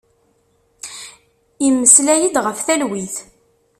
Immeslay-d ɣef talwit.